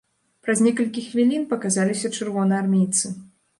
Праз некалькі хвілін паказаліся чырвонаармейцы.